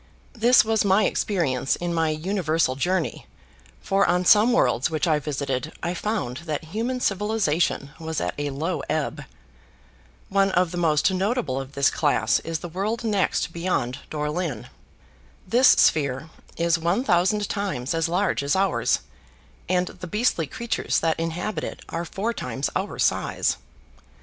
This was my experience in my universal journey, for on some worlds which I visited I found that human civilization was at a low ebb. One of the most notable of this class is the world next beyond Dore lyn. This sphere is one thousand times as large as ours, and the beastly creatures that inhabit it are four times our size.